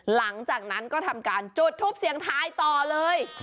หลังจากนั้นก็ทำการจุดทูปเสียงทายต่อเลย